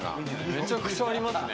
めちゃくちゃいますね。